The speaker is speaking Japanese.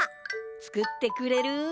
つくってくれる？